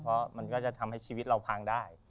เพราะมันก็จะทำให้ชีวิตเราพังได้